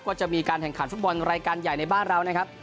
ก็จะมีการแข่งขันฟุตบอลรายการใหญ่ในบ้านเรานะครับ